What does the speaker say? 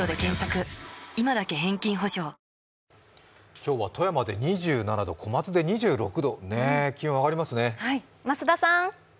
今日は富山で２７度、小松で２６度、気温が上がりますね。